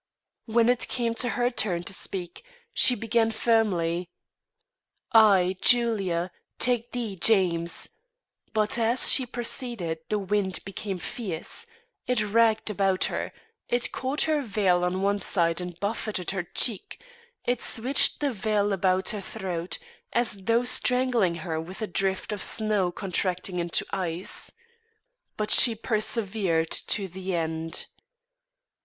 When it came to her turn to speak, she began firmly: "I, Julia, take thee, James " but as she proceeded the wind became fierce; it raged about her, it caught her veil on one side and buffeted her cheek; it switched the veil about her throat, as though strangling her with a drift of snow contracting into ice. But she persevered to the end.